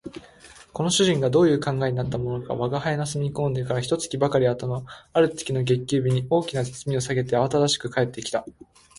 この主人がどういう考えになったものか吾輩の住み込んでから一月ばかり後のある月の月給日に、大きな包みを提げてあわただしく帰って来た